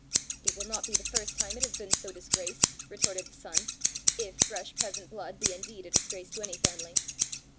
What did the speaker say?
"It will not be the first time it has been so disgraced!" retorted the son, " if fresh peasant blood be indeed a disgrace to any family!"